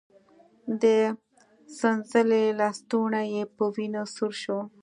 د څنځلې لستوڼی يې په وينو سور شو.